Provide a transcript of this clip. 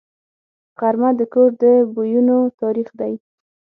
غرمه د کور د بویونو تاریخ دی